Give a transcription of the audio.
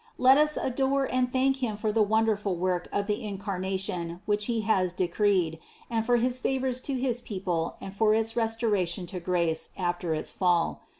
Let us adore and thank Him for the wonderful work of the In carnation which He has decreed, and for his favors to his people and for its restoration to grace after its fall.